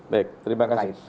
baik terima kasih